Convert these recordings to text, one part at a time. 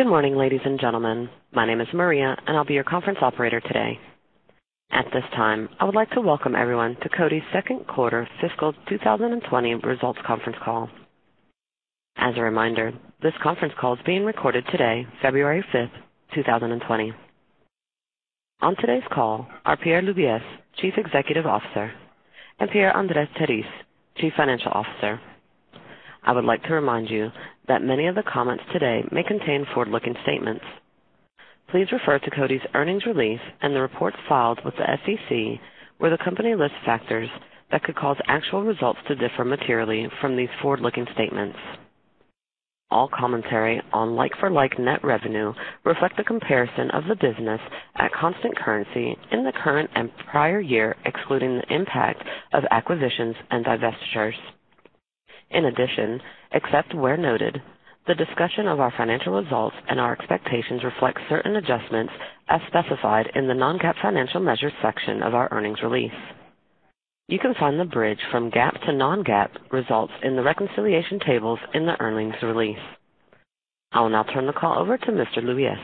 Good morning, ladies and gentlemen. My name is Maria, and I'll be your conference operator today. At this time, I would like to welcome everyone to Coty's second quarter fiscal 2020 results conference call. As a reminder, this conference call is being recorded today, February 5th, 2020. On today's call are Pierre Laubies, Chief Executive Officer, and Pierre-André Terisse, Chief Financial Officer. I would like to remind you that many of the comments today may contain forward-looking statements. Please refer to Coty's earnings release and the reports filed with the SEC, where the company lists factors that could cause actual results to differ materially from these forward-looking statements. All commentary on like-for-like net revenue reflects the comparison of the business at constant currency in the current and prior year, excluding the impact of acquisitions and divestitures. In addition, except where noted, the discussion of our financial results and our expectations reflects certain adjustments as specified in the non-GAAP financial measures section of our earnings release. You can find the bridge from GAAP to non-GAAP results in the reconciliation tables in the earnings release. I will now turn the call over to Mr. Laubies.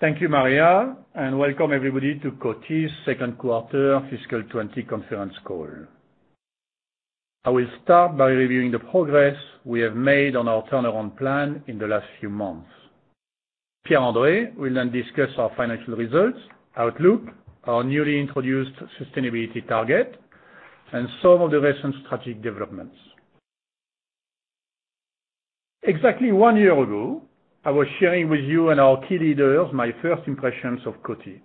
Thank you, Maria, and welcome everybody to Coty's second quarter fiscal 2020 conference call. I will start by reviewing the progress we have made on our turnaround plan in the last few months. Pierre-André will then discuss our financial results, outlook, our newly introduced sustainability target, and some of the recent strategic developments. Exactly one year ago, I was sharing with you and our key leaders my first impressions of Coty.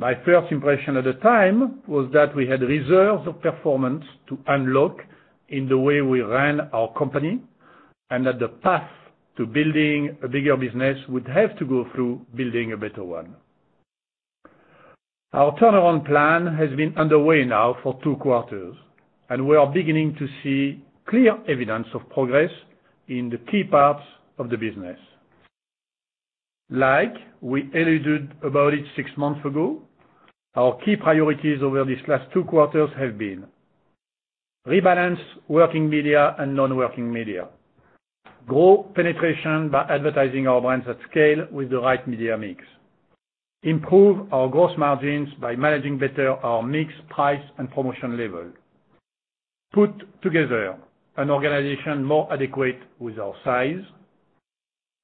My first impression at the time was that we had reserves of performance to unlock in the way we ran our company and that the path to building a bigger business would have to go through building a better one. Our turnaround plan has been underway now for two quarters, and we are beginning to see clear evidence of progress in the key parts of the business. Like we alluded about it six months ago, our key priorities over these last two quarters have been: rebalance working media and non-working media, grow penetration by advertising our brands at scale with the right media mix, improve our gross margins by managing better our mixed price and promotion level, put together an organization more adequate with our size,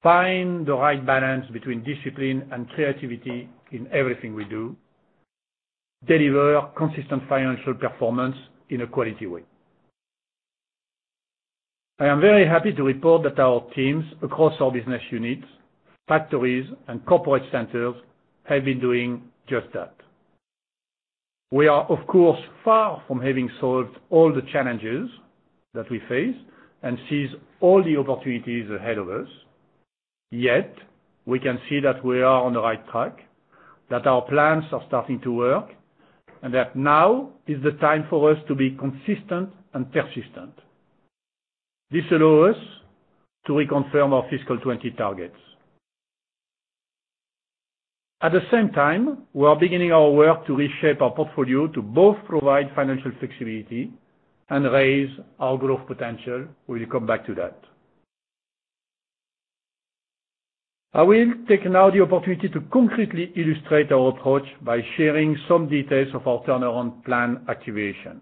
find the right balance between discipline and creativity in everything we do, deliver consistent financial performance in a quality way. I am very happy to report that our teams across our business units, factories, and corporate centers have been doing just that. We are, of course, far from having solved all the challenges that we face and see all the opportunities ahead of us. Yet, we can see that we are on the right track, that our plans are starting to work, and that now is the time for us to be consistent and persistent. This allows us to reconfirm our fiscal 2020 targets. At the same time, we are beginning our work to reshape our portfolio to both provide financial flexibility and raise our growth potential. We'll come back to that. I will take now the opportunity to concretely illustrate our approach by sharing some details of our turnaround plan activation.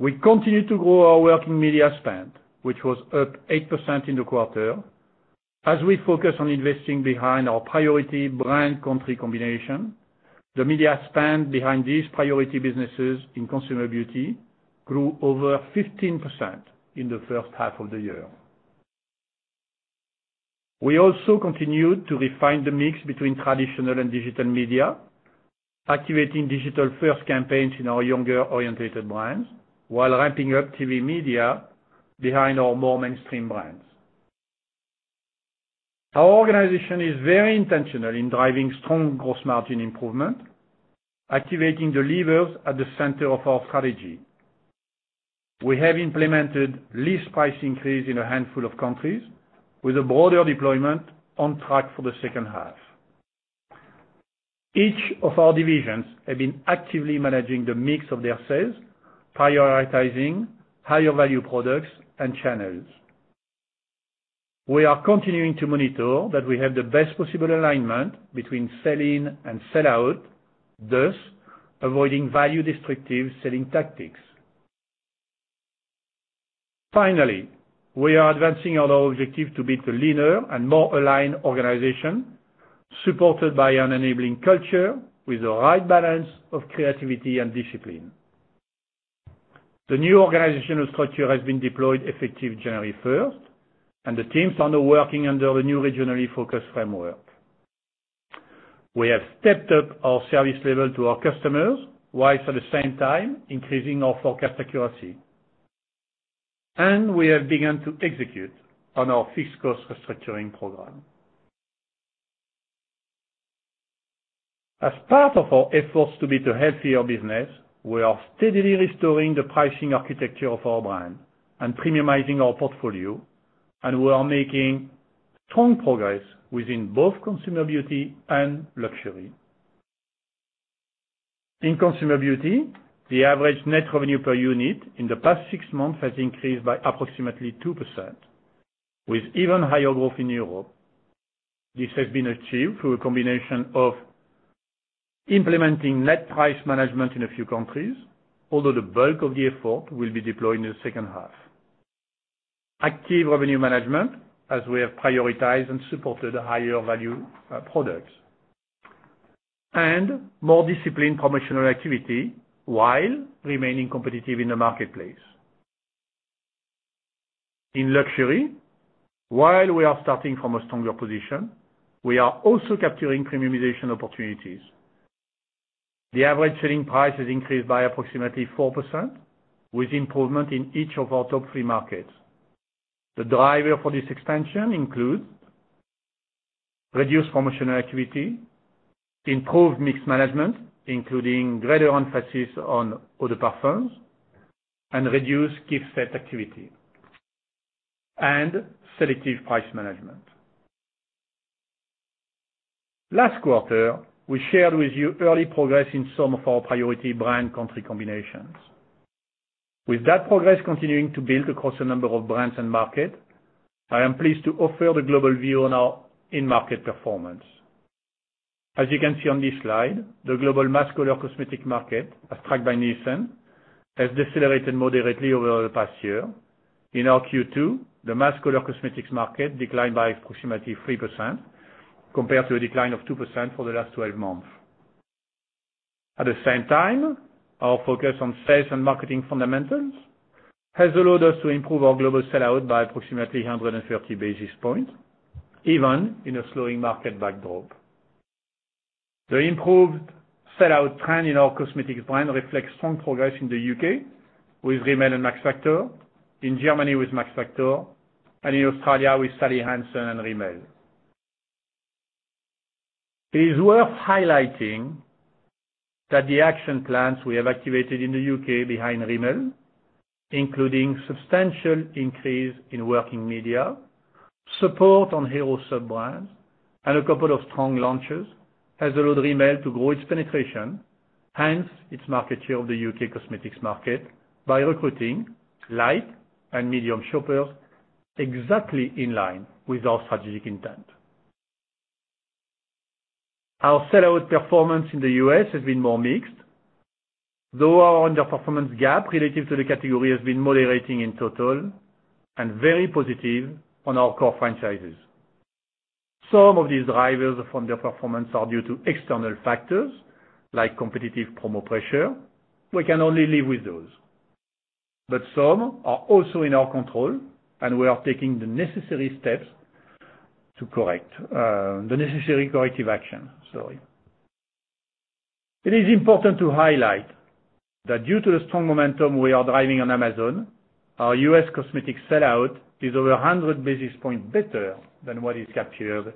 We continue to grow our working media spend, which was up 8% in the quarter. As we focus on investing behind our priority brand-country combination, the media spend behind these priority businesses in Consumer Beauty grew over 15% in the first half of the year. We also continued to refine the mix between traditional and digital media, activating digital-first campaigns in our younger-oriented brands while ramping up TV media behind our more mainstream brands. Our organization is very intentional in driving strong gross margin improvement, activating the levers at the center of our strategy. We have implemented least price increase in a handful of countries, with a broader deployment on track for the second half. Each of our divisions has been actively managing the mix of their sales, prioritizing higher-value products and channels. We are continuing to monitor that we have the best possible alignment between sell-in and sell-out, thus avoiding value-destructive selling tactics. Finally, we are advancing our objective to be the leaner and more aligned organization, supported by an enabling culture with the right balance of creativity and discipline. The new organizational structure has been deployed effective January 1st, and the teams are now working under the new regionally focused framework. We have stepped up our service level to our customers, whilst at the same time increasing our forecast accuracy. We have begun to execute on our fixed-cost restructuring program. As part of our efforts to be a healthier business, we are steadily restoring the pricing architecture of our brand and premiumizing our portfolio, and we are making strong progress within both Consumer Beauty and Luxury. In Consumer Beauty, the average net revenue per unit in the past six months has increased by approximately 2%, with even higher growth in Europe. This has been achieved through a combination of implementing net price management in a few countries, although the bulk of the effort will be deployed in the second half, active revenue management, as we have prioritized and supported higher-value products, and more disciplined promotional activity while remaining competitive in the marketplace. In Luxury, while we are starting from a stronger position, we are also capturing premiumization opportunities. The average selling price has increased by approximately 4%, with improvement in each of our top three markets. The driver for this expansion includes reduced promotional activity, improved mix management, including greater emphasis on eau de parfums, and reduced gift set activity, and selective price management. Last quarter, we shared with you early progress in some of our priority brand-country combinations. With that progress continuing to build across a number of brands and markets, I am pleased to offer the global view on our in-market performance. As you can see on this slide, the global masculine cosmetic market, as tracked by Nielsen, has decelerated moderately over the past year. In our Q2, the masculine cosmetics market declined by approximately 3% compared to a decline of 2% for the last 12 months. At the same time, our focus on sales and marketing fundamentals has allowed us to improve our global sell-out by approximately 130 basis points, even in a slowing market backdrop. The improved sell-out trend in our cosmetics brand reflects strong progress in the U.K. with Rimmel and Max Factor, in Germany with Max Factor, and in Australia with Sally Hansen and Rimmel. It is worth highlighting that the action plans we have activated in the U.K. behind Rimmel, including substantial increase in working media, support on hero sub-brands, and a couple of strong launches, has allowed Rimmel to grow its penetration, hence its market share of the U.K. cosmetics market, by recruiting light and medium shoppers exactly in line with our strategic intent. Our sell-out performance in the U.S. has been more mixed, though our underperformance gap relative to the category has been moderating in total and very positive on our core franchises. Some of these drivers of underperformance are due to external factors like competitive promo pressure. We can only live with those. Some are also in our control, and we are taking the necessary steps to correct the necessary corrective action. It is important to highlight that due to the strong momentum we are driving on Amazon, our U.S. cosmetic sell-out is over 100 basis points better than what is captured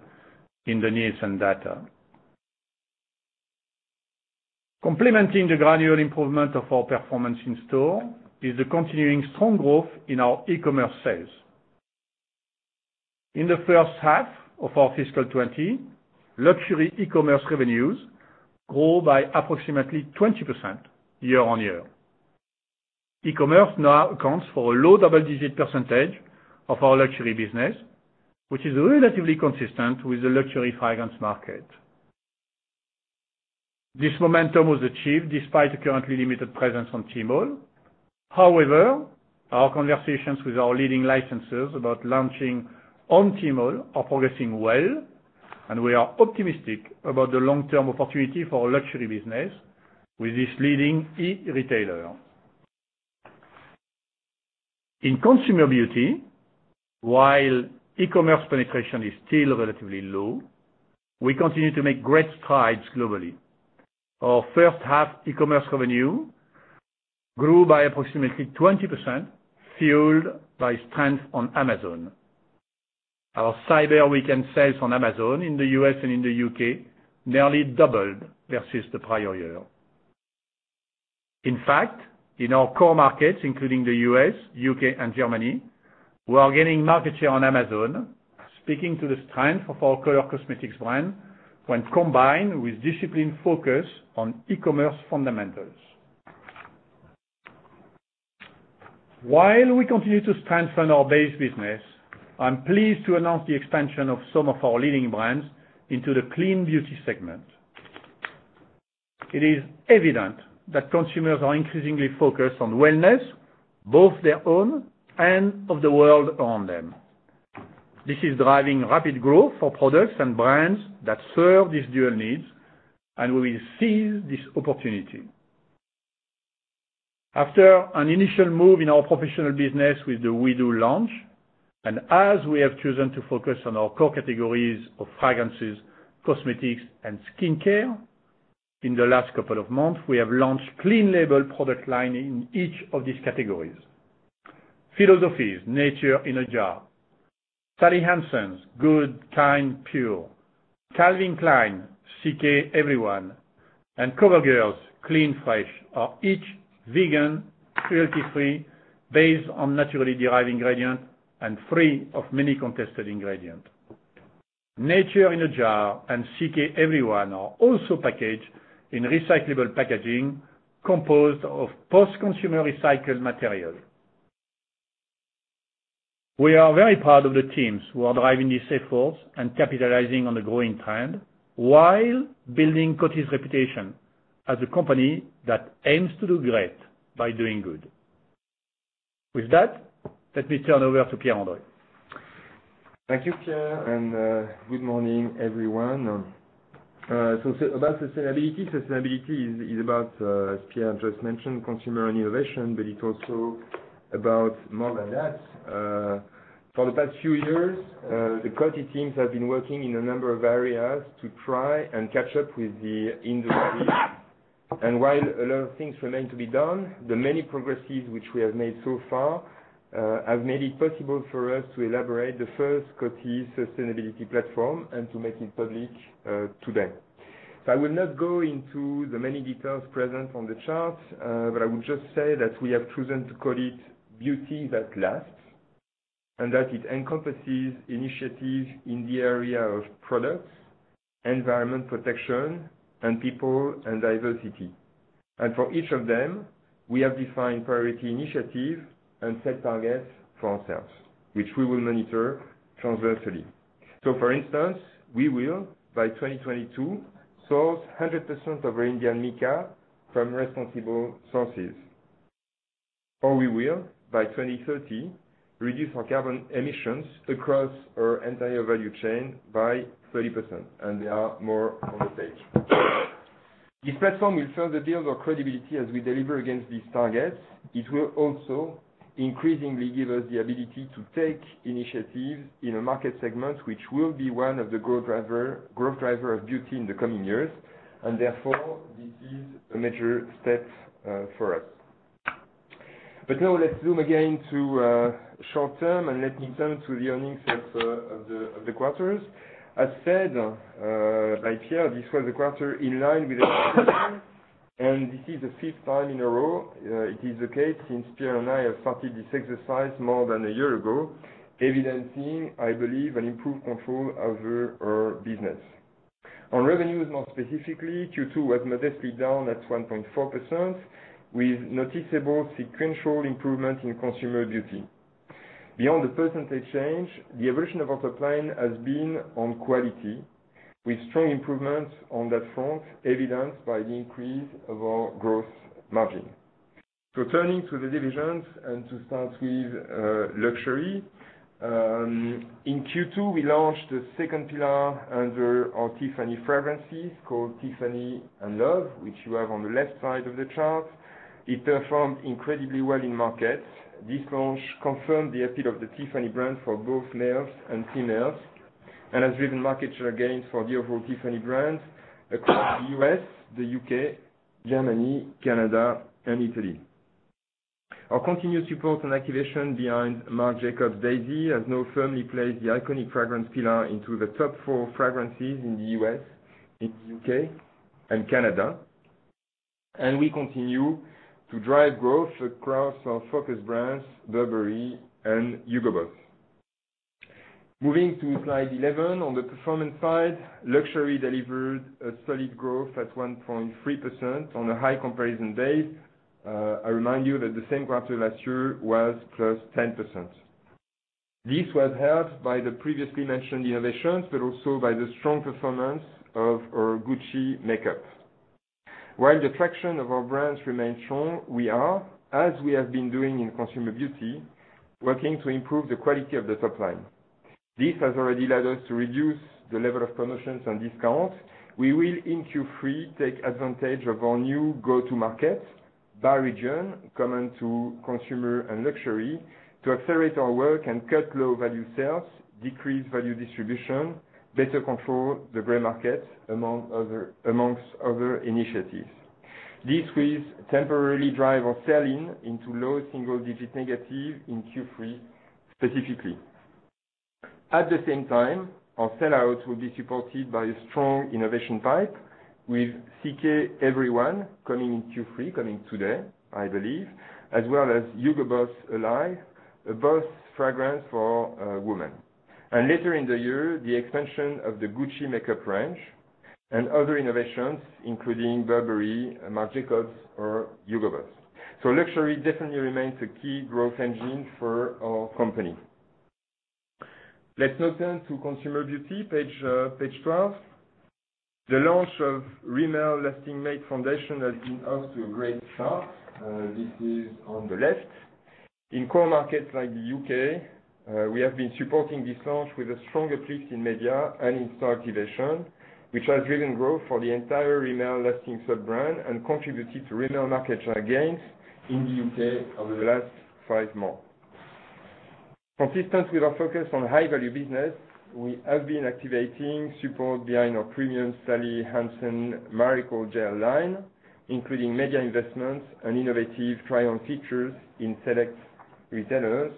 in the Nielsen data. Complementing the gradual improvement of our performance in store is the continuing strong growth in our e-commerce sales. In the first half of our fiscal 2020, Luxury e-commerce revenues grew by approximately 20% year on year. E-commerce now accounts for a low double-digit percentage of our Luxury business, which is relatively consistent with the Luxury fragrance market. This momentum was achieved despite the currently limited presence on Tmall. However, our conversations with our leading licensors about launching on Tmall are progressing well, and we are optimistic about the long-term opportunity for our Luxury business with this leading e-retailer. In Consumer Beauty, while e-commerce penetration is still relatively low, we continue to make great strides globally. Our first-half e-commerce revenue grew by approximately 20%, fueled by strength on Amazon. Our cyber weekend sales on Amazon in the U.S. and in the U.K. nearly doubled versus the prior year. In fact, in our core markets, including the U.S., U.K., and Germany, we are gaining market share on Amazon, speaking to the strength of our color cosmetics brand when combined with disciplined focus on e-commerce fundamentals. While we continue to strengthen our base business, I'm pleased to announce the expansion of some of our leading brands into the clean beauty segment. It is evident that consumers are increasingly focused on wellness, both their own and of the world around them. This is driving rapid growth for products and brands that serve these dual needs, and we will seize this opportunity. After an initial move in our professional business with the WeDo launch, and as we have chosen to focus on our core categories of fragrances, cosmetics, and skincare, in the last couple of months, we have launched a clean label product line in each of these categories. Philosophy Nature In A Jar, Sally Hansen: Good Kind Pure. Calvin Klein: CK Everyone. And CoverGirl: Clean Fresh. Are each vegan, cruelty-free, based on naturally derived ingredients, and free of many contested ingredients. Nature In A Jar and CK Everyone are also packaged in recyclable packaging composed of post-consumer recycled materials. We are very proud of the teams who are driving these efforts and capitalizing on the growing trend while building Coty's reputation as a company that aims to do great by doing good. With that, let me turn over to Pierre-André. Thank you, Pierre, and good morning, everyone. About sustainability, sustainability is about, as Pierre just mentioned, consumer and innovation, but it's also about more than that. For the past few years, the Coty teams have been working in a number of areas to try and catch up with the industry. While a lot of things remain to be done, the many progresses which we have made so far have made it possible for us to elaborate the first Coty sustainability platform and to make it public today. I will not go into the many details present on the chart, but I would just say that we have chosen to call it Beauty that Lasts and that it encompasses initiatives in the area of products, environment protection, people, and diversity. For each of them, we have defined priority initiatives and set targets for ourselves, which we will monitor transversely. For instance, we will, by 2022, source 100% of our Indian mica from responsible sources. We will, by 2030, reduce our carbon emissions across our entire value chain by 30%. There are more on the table. This platform will further build our credibility as we deliver against these targets. It will also increasingly give us the ability to take initiatives in a market segment which will be one of the growth drivers of beauty in the coming years. Therefore, this is a major step for us. Now, let's zoom again to short-term and let me turn to the earnings of the quarters. As said by Pierre, this was a quarter in line with expectations, and this is the fifth time in a row. It is the case since Pierre and I have started this exercise more than a year ago, evidencing, I believe, an improved control over our business. On revenues, more specifically, Q2 was modestly down at 1.4%, with noticeable sequential improvement in Consumer Beauty. Beyond the percentage change, the evolution of our top line has been on quality, with strong improvements on that front, evidenced by the increase of our gross margin. Turning to the divisions and to start with Luxury, in Q2, we launched the second pillar under our Tiffany fragrances called Tiffany & Love, which you have on the left side of the chart. It performed incredibly well in markets. This launch confirmed the appeal of the Tiffany brand for both males and females and has driven market share gains for the overall Tiffany brands across the U.S., the U.K., Germany, Canada, and Italy. Our continued support and activation behind Marc Jacobs Daisy has now firmly placed the iconic fragrance pillar into the top four fragrances in the U.S., in the U.K., and Canada. We continue to drive growth across our focus brands, Burberry and Hugo Boss. Moving to slide 11, on the performance side, Luxury delivered a solid growth at 1.3% on a high comparison base. I remind you that the same quarter last year was plus 10%. This was helped by the previously mentioned innovations, but also by the strong performance of our Gucci makeup. While the traction of our brands remains strong, we are, as we have been doing in Consumer Beauty, working to improve the quality of the top line. This has already led us to reduce the level of promotions and discounts. We will, in Q3, take advantage of our new go-to-market, by region, common to consumer and Luxury, to accelerate our work and cut low-value sales, decrease value distribution, better control the gray market, among other initiatives. This will temporarily drive our sell-in into low single-digit negative in Q3 specifically. At the same time, our sell-out will be supported by a strong innovation pipe, with CK Everyone coming in Q3, coming today, I believe, as well as Hugo Boss Alive, both fragrance for women. Later in the year, the expansion of the Gucci makeup range and other innovations, including Burberry, Marc Jacobs, or Hugo Boss. Luxury definitely remains a key growth engine for our company. Let's now turn to Consumer Beauty, page 12. The launch of Rimmel Lasting Matte Foundation has been off to a great start. This is on the left. In core markets like the U.K., we have been supporting this launch with a strong uplift in media and in-store activation, which has driven growth for the entire Rimmel Lasting sub-brand and contributed to Rimmel market share gains in the U.K. over the last five months. Consistent with our focus on high-value business, we have been activating support behind our premium Sally Hansen Miracle Gel line, including media investments and innovative try-on features in select retailers.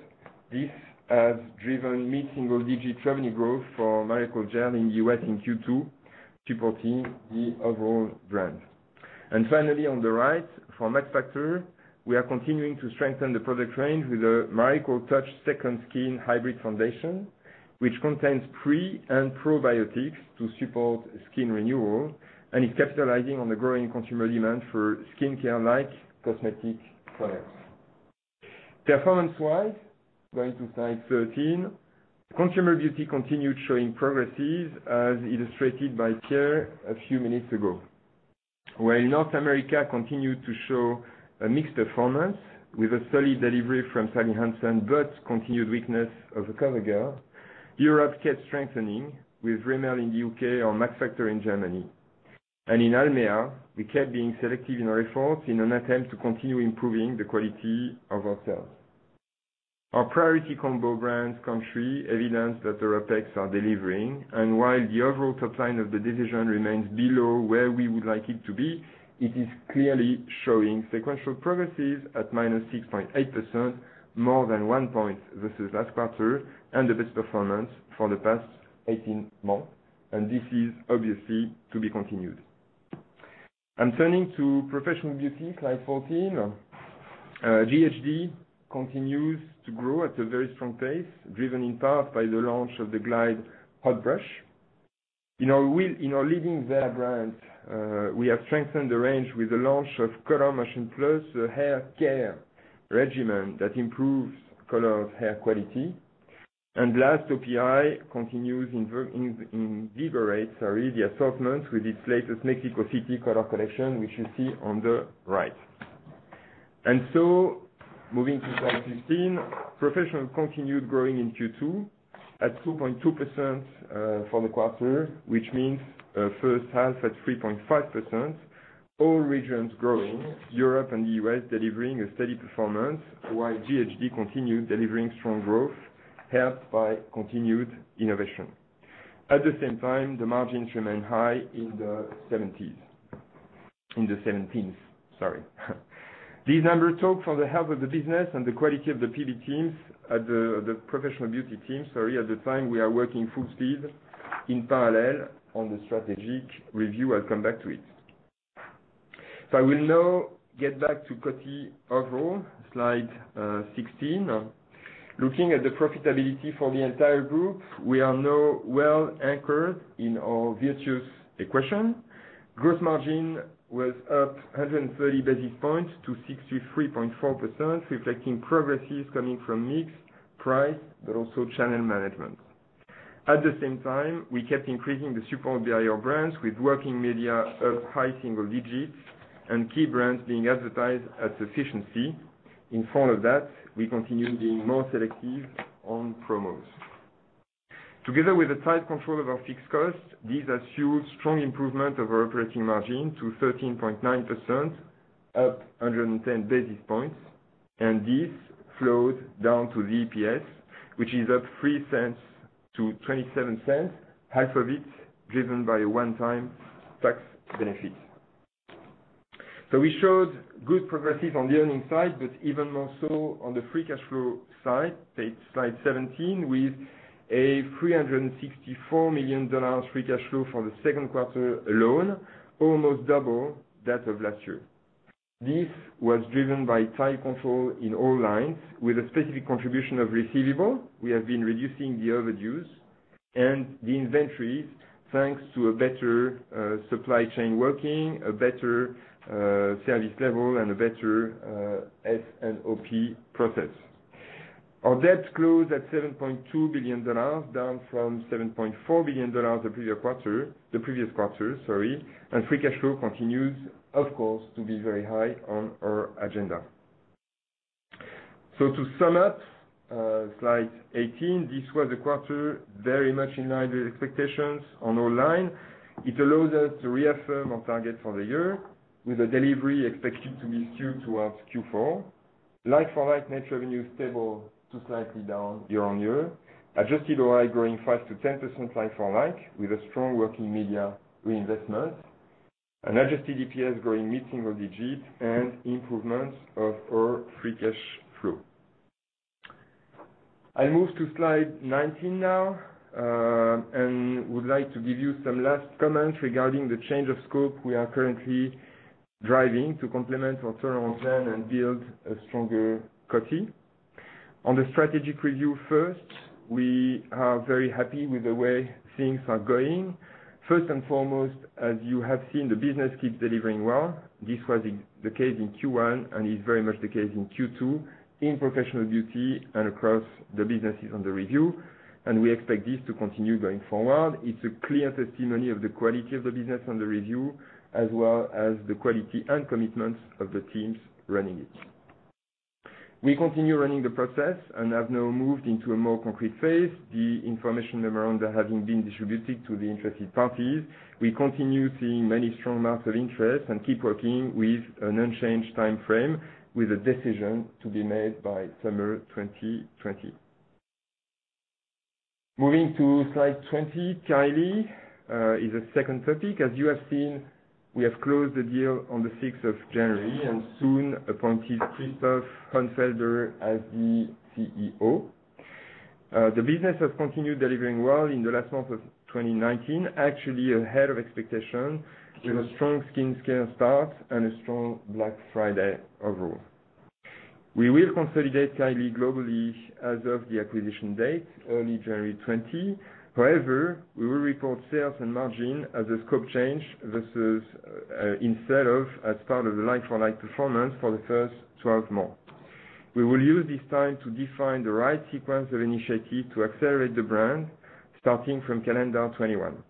This has driven mid-single-digit revenue growth for Miracle Gel in the U.S. in Q2, supporting the overall brand. Finally, on the right, for Max Factor, we are continuing to strengthen the product range with the Miracle Touch Second Skin Hybrid Foundation, which contains pre- and probiotics to support skin renewal and is capitalizing on the growing consumer demand for skincare-like cosmetic products. Performance-wise, going to slide 13, Consumer Beauty continued showing progresses, as illustrated by Pierre a few minutes ago. While North America continued to show a mixed performance with a solid delivery from Sally Hansen but continued weakness of CoverGirl, Europe kept strengthening with Rimmel in the U.K. or Max Factor in Germany. In ALMEA, we kept being selective in our efforts in an attempt to continue improving the quality of our sales. Our priority combo brands country evidenced that our OpEx are delivering. While the overall top line of the division remains below where we would like it to be, it is clearly showing sequential progresses at -6.8%, more than one point versus last quarter, and the best performance for the past 18 months. This is obviously to be continued. I'm turning to professional beauty, slide 14. ghd continues to grow at a very strong pace, driven in part by the launch of the Glide Hot Brush. In our leading Wella brand, we have strengthened the range with the launch of ColorMotion+ a hair care regimen that improves colored hair quality. Last, OPI continues to invigorate the assortments with its latest Mexico City color collection, which you see on the right. Moving to slide 15, Professional continued growing in Q2 at 2.2% for the quarter, which means first half at 3.5%, all regions growing, Europe and the U.S. delivering a steady performance, while ghd continued delivering strong growth helped by continued innovation. At the same time, the margins remain high in the 17th. These numbers talk for the health of the business and the quality of the PB teams at the Professional Beauty team. Sorry, at the time, we are working full speed in parallel on the strategic review. I'll come back to it. I will now get back to Coty overall, slide 16. Looking at the profitability for the entire group, we are now well anchored in our virtuous equation. Gross margin was up 130 basis points to 63.4%, reflecting progresses coming from mix, price, but also channel management. At the same time, we kept increasing the support behind our brands with working media up high single digits and key brands being advertised at sufficiency. In front of that, we continue being more selective on promos. Together with a tight control of our fixed costs, this has fueled strong improvement of our operating margin to 13.9%, up 110 basis points. This flowed down to the EPS, which is up $0.03 to $0.27, half of it driven by one-time tax benefits. We showed good progresses on the earnings side, but even more so on the free cash flow side, slide 17, with a $364 million free cash flow for the second quarter alone, almost double that of last year. This was driven by tight control in all lines with a specific contribution of receivable. We have been reducing the overdues and the inventories thanks to a better supply chain working, a better service level, and a better S&OP process. Our debt closed at $7.2 billion, down from $7.4 billion the previous quarter, sorry. Free cash flow continues, of course, to be very high on our agenda. To sum up slide 18, this was a quarter very much in line with expectations on our line. It allows us to reaffirm our target for the year, with a delivery expected to be skewed towards Q4. Like-for-like net revenue stable to slightly down year on year, adjusted OI growing 5% to 10% like-for-like with a strong working media reinvestment, an adjusted EPS growing mid-single digit, and improvements of our free cash flow. I'll move to slide 19 now and would like to give you some last comments regarding the change of scope we are currently driving to complement our turnaround plan and build a stronger Coty. On the strategic review first, we are very happy with the way things are going. First and foremost, as you have seen, the business keeps delivering well. This was the case in Q1, and it's very much the case in Q2 in professional beauty and across the businesses on the review. We expect this to continue going forward. It's a clear testimony of the quality of the business on the review, as well as the quality and commitments of the teams running it. We continue running the process and have now moved into a more concrete phase. The information memoranda having been distributed to the interested parties, we continue seeing many strong marks of interest and keep working with an unchanged time frame with a decision to be made by summer 2020. Moving to slide 20, Kylie is a second topic. As you have seen, we have closed the deal on the 6th of January and soon appointed Christoph Honnefelderr as the CEO. The business has continued delivering well in the last month of 2019, actually ahead of expectations with a strong skin care start and a strong Black Friday overall. We will consolidate Kylie globally as of the acquisition date, early January 2020. However, we will report sales and margin as a scope change versus instead of as part of the like-for-like performance for the first 12 months. We will use this time to define the right sequence of initiatives to accelerate the brand starting from calendar 2021.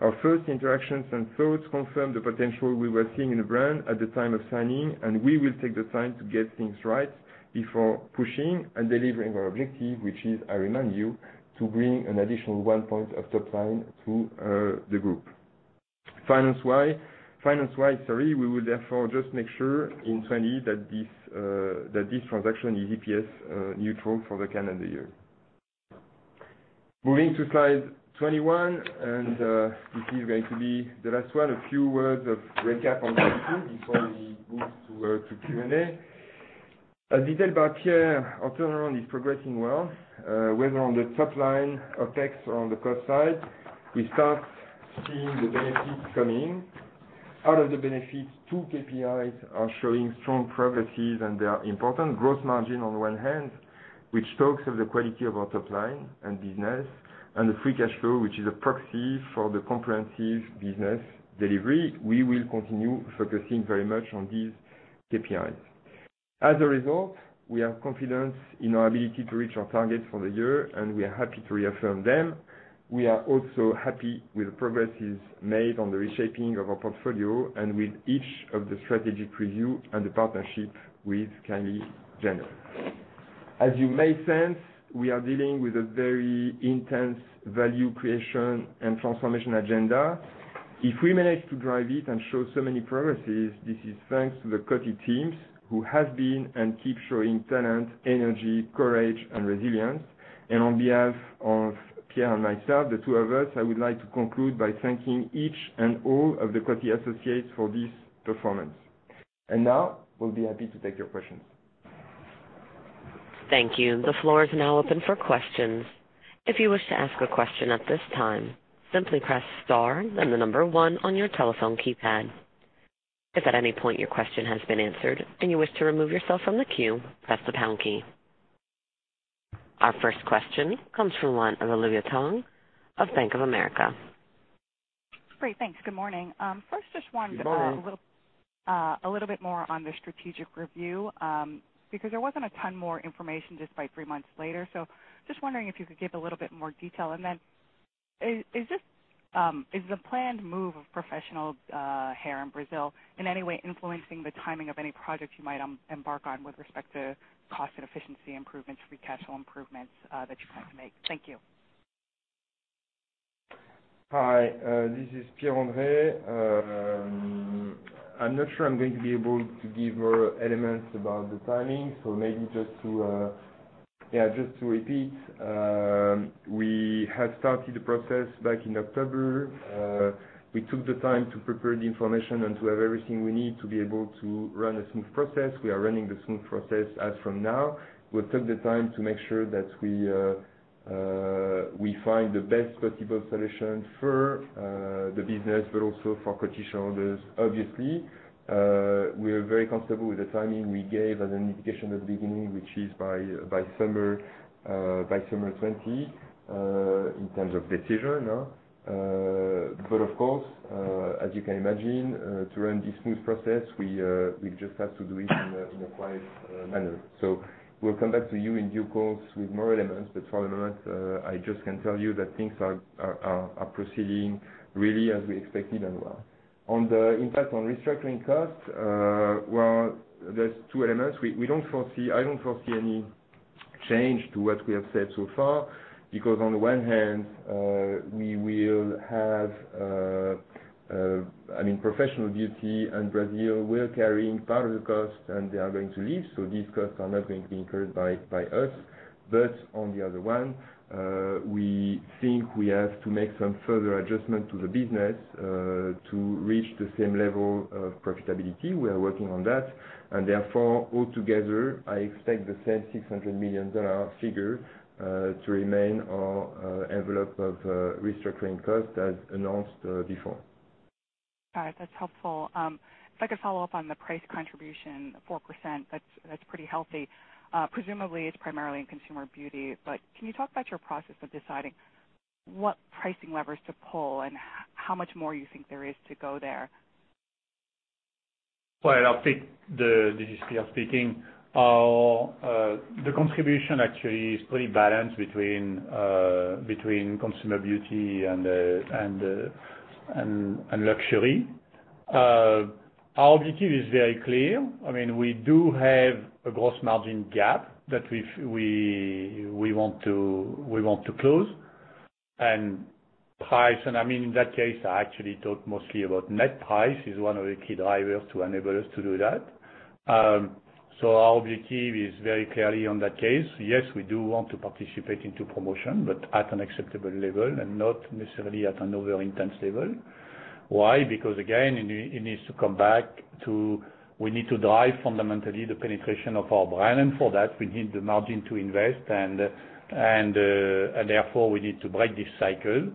Our first interactions and thoughts confirm the potential we were seeing in the brand at the time of signing, and we will take the time to get things right before pushing and delivering our objective, which is, I remind you, to bring an additional one point of top line to the group. Finance-wise, sorry, we will therefore just make sure in 2020 that this transaction is EPS neutral for the calendar year. Moving to slide 21, and this is going to be the last one. A few words of recap on Q2 before we move to Q&A. As detailed by Pierre, our turnaround is progressing well, whether on the top line, OpEx, or on the cost side. We start seeing the benefits coming. Out of the benefits, two KPIs are showing strong progress and they are important: gross margin on the one hand, which talks of the quality of our top line and business, and the free cash flow, which is a proxy for the comprehensive business delivery. We will continue focusing very much on these KPIs. As a result, we are confident in our ability to reach our targets for the year, and we are happy to reaffirm them. We are also happy with the progress made on the reshaping of our portfolio and with each of the strategic review and the partnership with Kylie Jenner. As you may sense, we are dealing with a very intense value creation and transformation agenda. If we manage to drive it and show so many progresses, this is thanks to the Coty teams who have been and keep showing talent, energy, courage, and resilience. On behalf of Pierre and myself, the two of us, I would like to conclude by thanking each and all of the Coty associates for this performance. Now, we'll be happy to take your questions. Thank you. The floor is now open for questions. If you wish to ask a question at this time, simply press star and then the number one on your telephone keypad. If at any point your question has been answered and you wish to remove yourself from the queue, press the pound key. Our first question comes from Olivia Tong of Bank of America. Great. Thanks. Good morning. First, just wanted to. Good morning. A little bit more on the strategic review because there was not a ton more information just by three months later. Just wondering if you could give a little bit more detail. Is the planned move of professional hair in Brazil in any way influencing the timing of any project you might embark on with respect to cost and efficiency improvements, free cash flow improvements that you plan to make? Thank you. Hi. This is Pierre-André. I am not sure I am going to be able to give more elements about the timing. Maybe just to, yeah, just to repeat, we have started the process back in October. We took the time to prepare the information and to have everything we need to be able to run a smooth process. We are running the smooth process as from now. We'll take the time to make sure that we find the best possible solution for the business, but also for Coty shareholders, obviously. We are very comfortable with the timing we gave as an indication at the beginning, which is by summer 2020 in terms of decision. Of course, as you can imagine, to run this smooth process, we just have to do it in a quiet manner. We'll come back to you in due course with more elements. For the moment, I just can tell you that things are proceeding really as we expected and well. On the impact on restructuring costs, there's two elements. I don't foresee any change to what we have said so far because on the one hand, we will have, I mean, professional beauty and Brazil will carry part of the cost, and they are going to leave. These costs are not going to be incurred by us. On the other one, we think we have to make some further adjustment to the business to reach the same level of profitability. We are working on that. Therefore, altogether, I expect the same $600 million figure to remain on the envelope of restructuring costs as announced before. All right. That's helpful. If I could follow up on the price contribution, 4%, that's pretty healthy. Presumably, it's primarily in Consumer Beauty. Can you talk about your process of deciding what pricing levers to pull and how much more you think there is to go there? I'll pick the dispute of speaking. The contribution actually is pretty balanced between Consumer Beauty and Luxury. Our objective is very clear. I mean, we do have a gross margin gap that we want to close. Price, and I mean, in that case, I actually talked mostly about net price as one of the key drivers to enable us to do that. Our objective is very clearly in that case. Yes, we do want to participate in promotion, but at an acceptable level and not necessarily at an over-intense level. Why? Because, again, it needs to come back to we need to drive fundamentally the penetration of our brand. For that, we need the margin to invest. Therefore, we need to break this cycle.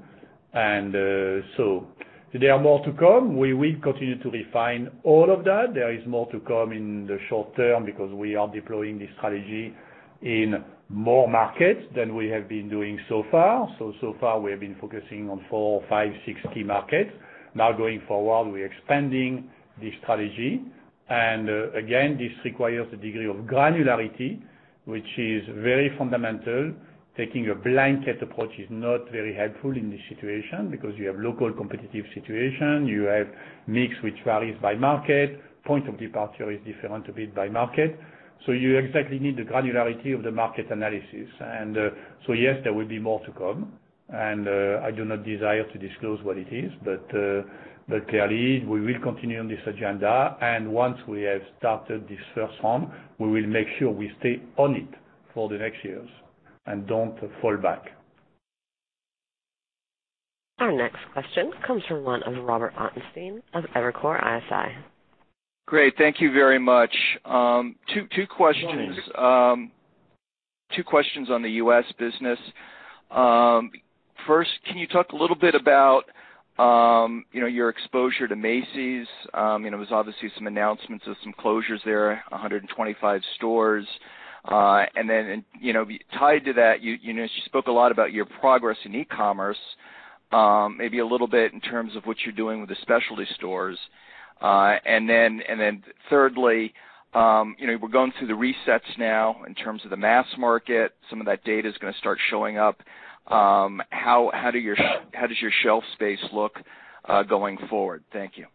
There is more to come. We will continue to refine all of that. There is more to come in the short term because we are deploying this strategy in more markets than we have been doing so far. So far, we have been focusing on four, five, six key markets. Now going forward, we are expanding this strategy. Again, this requires a degree of granularity, which is very fundamental. Taking a blanket approach is not very helpful in this situation because you have local competitive situation. You have mix which varies by market. Point of departure is different a bit by market. You exactly need the granularity of the market analysis. Yes, there will be more to come. I do not desire to disclose what it is. Clearly, we will continue on this agenda. Once we have started this first round, we will make sure we stay on it for the next years and do not fall back. Our next question comes from the Line of Robert Ottenstein of Evercore ISI. Great. Thank you very much. Two questions. No worries. Two questions on the U.S. business. First, can you talk a little bit about your exposure to Macy's? There was obviously some announcements of some closures there, 125 stores. And then tied to that, you spoke a lot about your progress in e-commerce, maybe a little bit in terms of what you're doing with the specialty stores. And then thirdly, we're going through the resets now in terms of the mass market. Some of that data is going to start showing up. How does your shelf space look going forward? Thank you.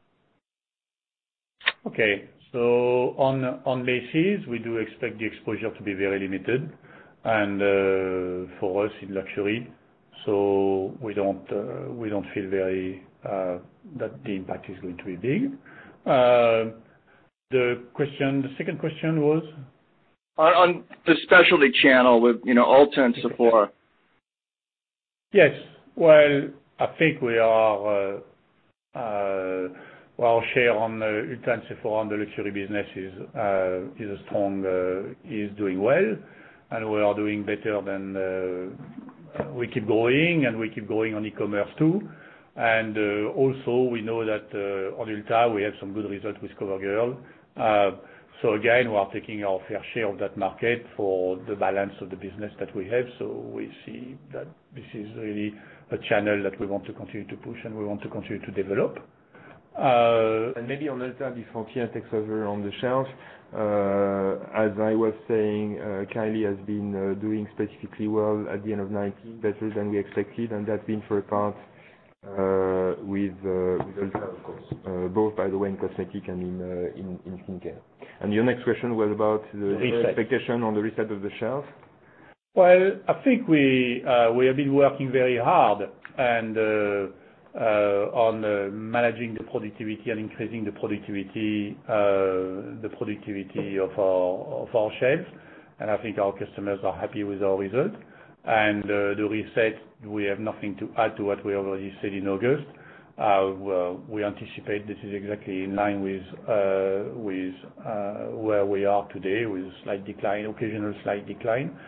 Okay. On Macy's, we do expect the exposure to be very limited for us in Luxury. We do not feel that the impact is going to be big. The second question was? On the specialty channel with Ulta and Sephora. Yes. I think we are well, share on the Ulta and Sephora on the Luxury business is doing well. We are doing better than we keep growing, and we keep growing on e-commerce too. We know that on Ulta, we have some good results with CoverGirl. Again, we are taking our fair share of that market for the balance of the business that we have. We see that this is really a channel that we want to continue to push, and we want to continue to develop. Maybe on Ulta, this frontier takes over on the shelf. As I was saying, Kylie has been doing specifically well at the end of 2019, better than we expected. That has been for a part with Ulta, of course, both by the way in cosmetic and in skincare. Your next question was about the reset. Expectation on the reset of the shelf. I think we have been working very hard on managing the productivity and increasing the productivity of our shelves. I think our customers are happy with our result. The reset, we have nothing to add to what we already said in August. We anticipate this is exactly in line with where we are today with a slight decline, occasional slight decline.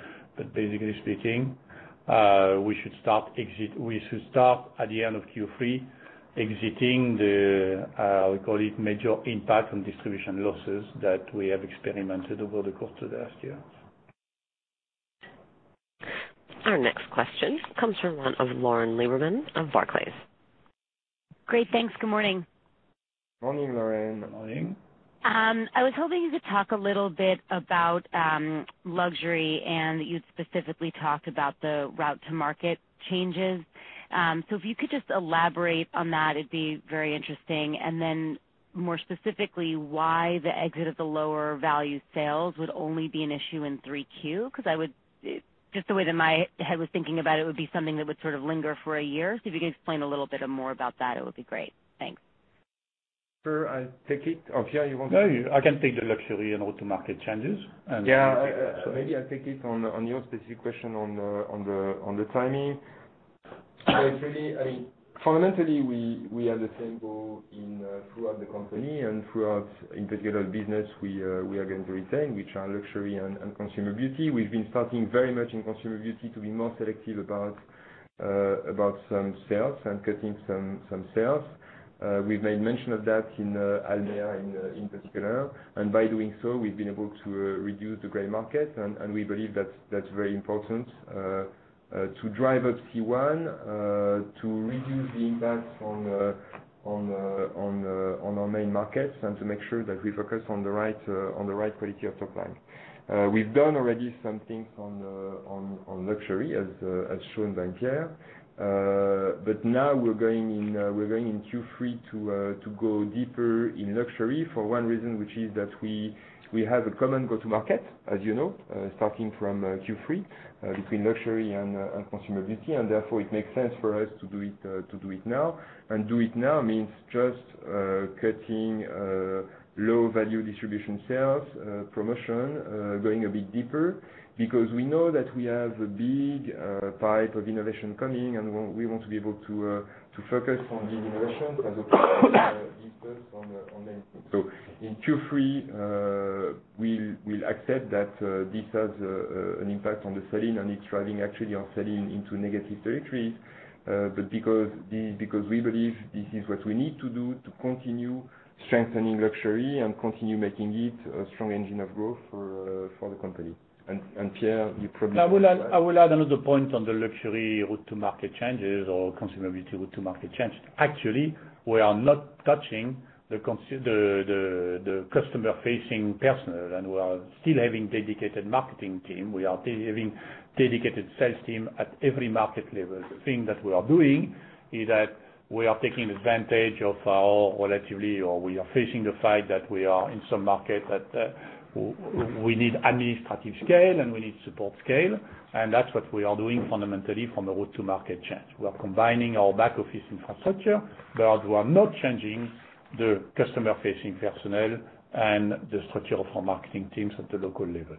Basically speaking, we should start at the end of Q3 exiting the, I would call it, major impact on distribution losses that we have experimented over the course of the last year. Our next question comes from Lauren Lieberman of Barclays. Great. Thanks. Good morning. Morning, Lauren. Morning. I was hoping you could talk a little bit about Luxury and that you'd specifically talked about the route-to-market changes. If you could just elaborate on that, it'd be very interesting. Then more specifically, why the exit of the lower-value sales would only be an issue in 3Q? Because just the way that my head was thinking about it would be something that would sort of linger for a year. If you could explain a little bit more about that, it would be great. Thanks. Sure. I take it. Oh, Pierre? You want to? No, I can take the Luxury and route-to-market changes. Maybe I take it on your specific question on the timing. It is really, I mean, fundamentally, we have the same goal throughout the company and throughout, in particular, the business we are going to retain, which are Luxury and Consumer Beauty. We have been starting very much in Consumer Beauty to be more selective about some sales and cutting some sales. We have made mention of that in ALMEA in particular. By doing so, we've been able to reduce the gray market. We believe that that's very important to drive up C one, to reduce the impact on our main markets, and to make sure that we focus on the right quality of top line. We've done already some things on Luxury, as shown by Pierre. Now we're going in Q3 to go deeper in Luxury for one reason, which is that we have a common go-to-market, as you know, starting from Q3 between Luxury and Consumer Beauty. Therefore, it makes sense for us to do it now. Do it now means just cutting low-value distribution sales, promotion, going a bit deeper because we know that we have a big pipe of innovation coming, and we want to be able to focus on these innovations as opposed to these first on many. In Q3, we'll accept that this has an impact on the sell-in and it's driving actually our sell-in into negative territories. Because we believe this is what we need to do to continue strengthening Luxury and continue making it a strong engine of growth for the company. Pierre, you probably. I will add another point on the Luxury route-to-market changes or Consumer Beauty route-to-market change. Actually, we are not touching the customer-facing personnel. We are still having dedicated marketing team. We are still having dedicated sales team at every market level. The thing that we are doing is that we are taking advantage of our relatively or we are facing the fact that we are in some market that we need administrative scale and we need support scale. That's what we are doing fundamentally from the route-to-market change. We are combining our back-office infrastructure, but we are not changing the customer-facing personnel and the structure of our marketing teams at the local level.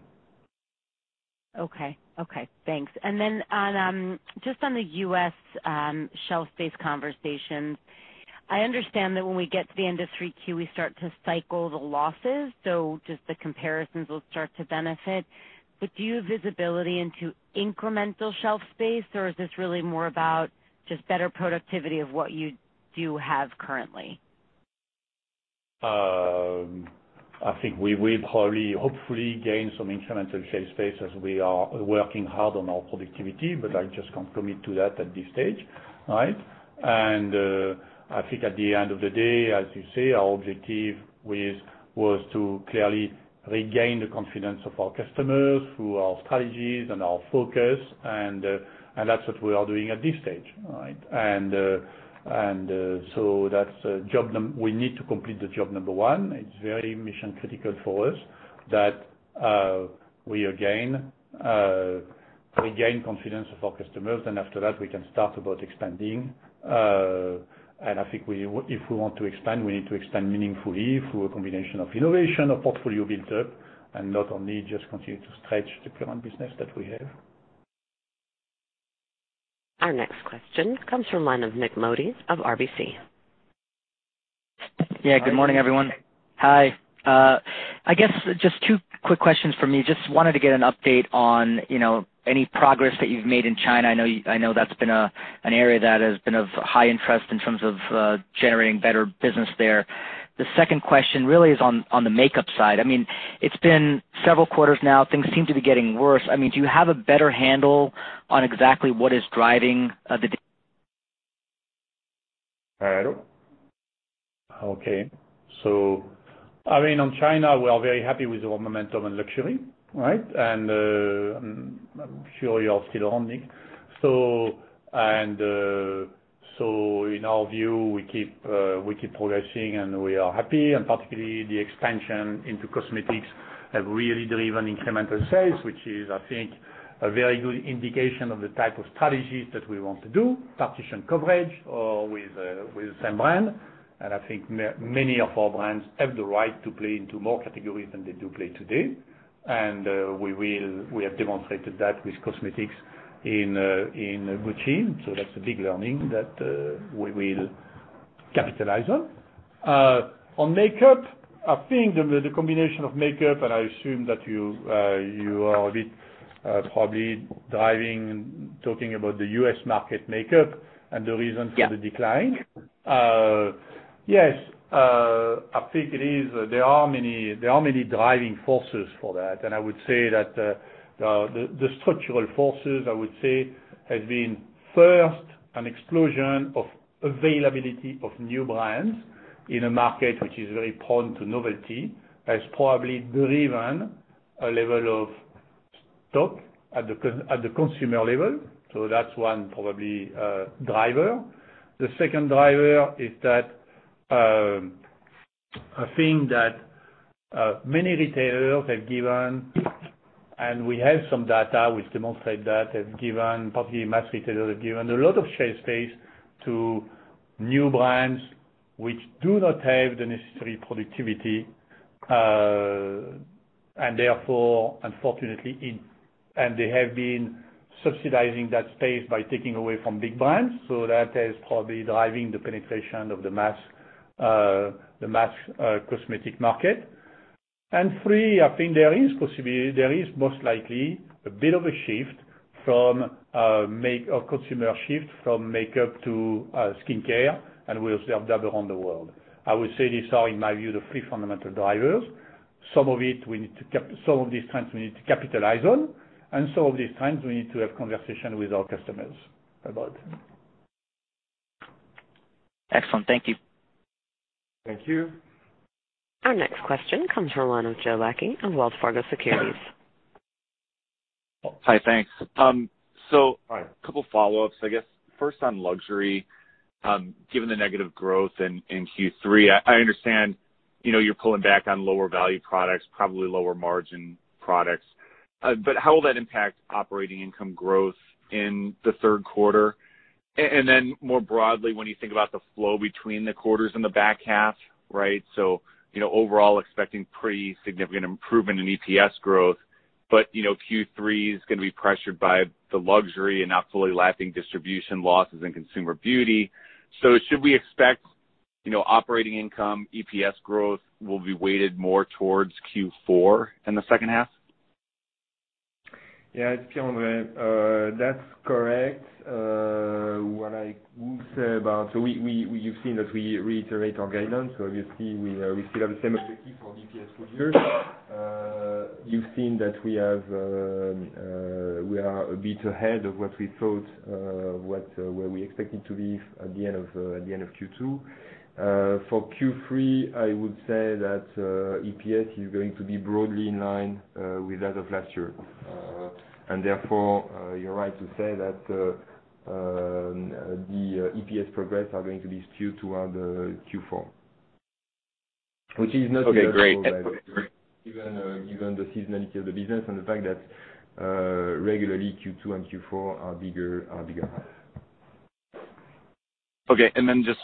Okay. Okay. Thanks. Just on the U.S. shelf space conversations, I understand that when we get to the end of 3Q, we start to cycle the losses. Just the comparisons will start to benefit. Do you have visibility into incremental shelf space, or is this really more about just better productivity of what you do have currently? I think we will probably, hopefully, gain some incremental shelf space as we are working hard on our productivity. I just can't commit to that at this stage, right? I think at the end of the day, as you say, our objective was to clearly regain the confidence of our customers through our strategies and our focus. That's what we are doing at this stage, right? That's a job we need to complete, the job number one. It's very mission-critical for us that we regain confidence of our customers. After that, we can start about expanding. I think if we want to expand, we need to expand meaningfully through a combination of innovation, a portfolio built up, and not only just continue to stretch the current business that we have. Our next question comes from the Line of Nik Modi of RBC. Yeah. Good morning, everyone. Hi. I guess just two quick questions for me. Just wanted to get an update on any progress that you've made in China. I know that's been an area that has been of high interest in terms of generating better business there. The second question really is on the makeup side. I mean, it's been several quarters now. Things seem to be getting worse. I mean, do you have a better handle on exactly what is driving the? Okay. I mean, in China, we are very happy with our momentum on Luxury, right? I'm sure you're still on it. In our view, we keep progressing, and we are happy. Particularly, the expansion into cosmetics has really driven incremental sales, which is, I think, a very good indication of the type of strategies that we want to do. Partition coverage with the same brand. I think many of our brands have the right to play into more categories than they do play today. We have demonstrated that with cosmetics in Gucci. That's a big learning that we will capitalize on. On makeup, I think the combination of makeup, and I assume that you are a bit probably driving talking about the U.S. market makeup and the reason for the decline. Yes. I think there are many driving forces for that. I would say that the structural forces, I would say, have been first an explosion of availability of new brands in a market which is very prone to novelty has probably driven a level of stock at the consumer level. That is one probably driver. The second driver is that I think that many retailers have given, and we have some data which demonstrate that have given, particularly mass retailers have given a lot of shelf space to new brands which do not have the necessary productivity. Therefore, unfortunately, they have been subsidizing that space by taking away from big brands. That is probably driving the penetration of the mass cosmetic market. Three, I think there is most likely a bit of a shift from a consumer shift from makeup to skincare, and we observe that around the world. I would say these are, in my view, the three fundamental drivers. Some of it, we need to some of these trends, we need to capitalize on. Some of these trends, we need to have conversation with our customers about. Excellent. Thank you. Thank you. Our next question comes from the Line of Joe Lachky of Wells Fargo Securities. Hi. Thanks. A couple of follow-ups, I guess. First, on Luxury, given the negative growth in Q3, I understand you're pulling back on lower-value products, probably lower-margin products. How will that impact operating income growth in the third quarter? When you think about the flow between the quarters and the back half, right? Overall, expecting pretty significant improvement in EPS growth. Q3 is going to be pressured by the Luxury and not fully lapping distribution losses and Consumer Beauty. Should we expect operating income EPS growth will be weighted more towards Q4 in the second half? Yeah. That's correct. What I would say about, so you've seen that we reiterate our guidelines. Obviously, we still have the same objective for EPS full year. You've seen that we are a bit ahead of what we thought, where we expected to be at the end of Q2. For Q3, I would say that EPS is going to be broadly in line with that of last year. Therefore, you're right to say that the EPS progress are going to be skewed toward Q4, which is not. Okay. Great. Given the seasonality of the business and the fact that regularly Q2 and Q4 are bigger. Okay. Just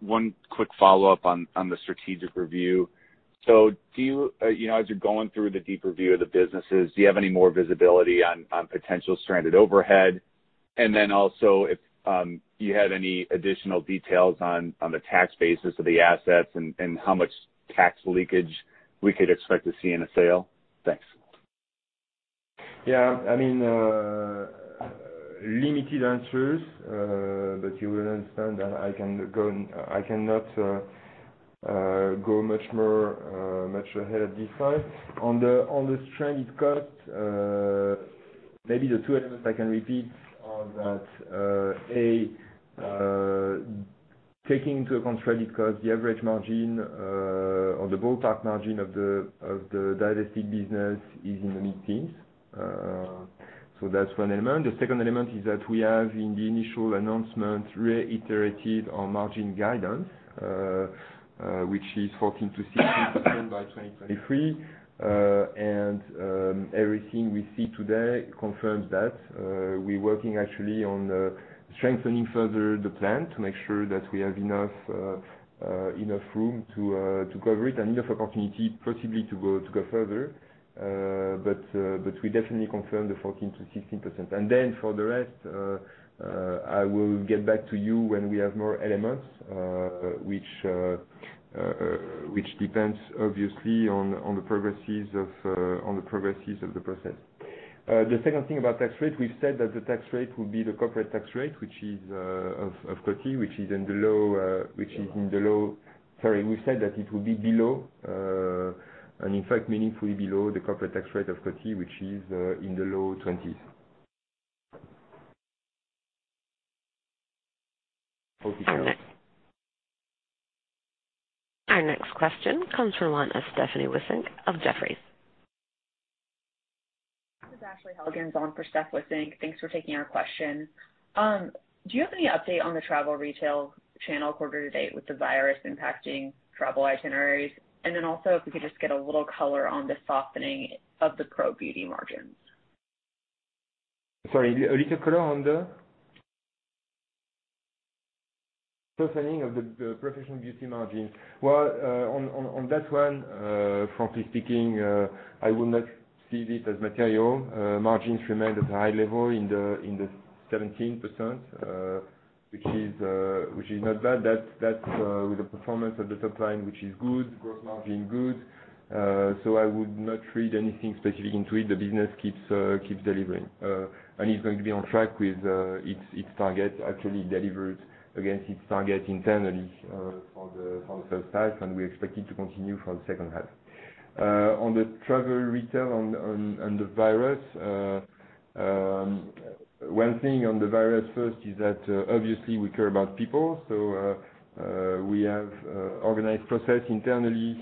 one quick follow-up on the strategic review. As you're going through the deep review of the businesses, do you have any more visibility on potential stranded overhead? Also, if you had any additional details on the tax basis of the assets and how much tax leakage we could expect to see in a sale? Thanks. Yeah. I mean, limited answers, but you will understand that I cannot go much ahead at this time. On the stranded costs, maybe the two elements I can repeat are that, A, taking into account stranded costs, the average margin or the ballpark margin of the divested business is in the mid-teens. That is one element. The second element is that we have in the initial announcement reiterated our margin guidance, which is 14%-16% by 2023. Everything we see today confirms that. We are working actually on strengthening further the plan to make sure that we have enough room to cover it and enough opportunity possibly to go further. We definitely confirm the 14%-16%. For the rest, I will get back to you when we have more elements, which depends obviously on the progresses of the process. The second thing about tax rate, we've said that the tax rate will be the corporate tax rate, which is of Coty, which is in the low, sorry. We've said that it will be below and, in fact, meaningfully below the corporate tax rate of Coty, which is in the low 20s. Okay. Our next question comes from the line of Stephanie Wissink of Jefferies. This is Ashley Helgans on for Steph Wissink. Thanks for taking our question. Do you have any update on the travel retail channel quarter to date with the virus impacting travel itineraries? Also, if we could just get a little color on the softening of the pro beauty margins. Sorry. A little color on the softening of the professional beauty margins. I would not see this as material. Margins remain at a high level in the 17%, which is not bad. That's with the performance of the top line, which is good, gross margin good. I would not read anything specific into it. The business keeps delivering. It's going to be on track with its target, actually delivered against its target internally for the first half, and we expect it to continue for the second half. On the travel retail and the virus, one thing on the virus first is that obviously, we care about people. We have organized process internally